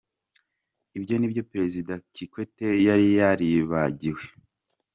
Ibyo nibyo Perezida Kikwete yari yaribagiwe.